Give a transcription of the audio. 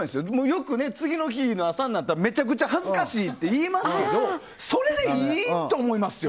よく次の日の朝になったらめちゃくちゃ恥ずかしいっていいますけどそれでいいと思いますよ。